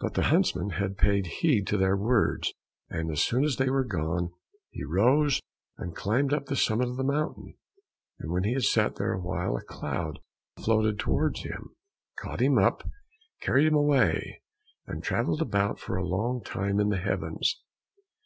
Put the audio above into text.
But the huntsman had paid heed to their words, and as soon as they were gone, he rose and climbed up to the summit of the mountain, and when he had sat there a while, a cloud floated towards him, caught him up, carried him away, and travelled about for a long time in the heavens.